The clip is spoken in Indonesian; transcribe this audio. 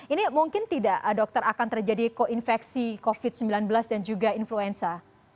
ini mungkin tidak dokter akan terjadi koinfeksi covid sembilan belas dan juga influenza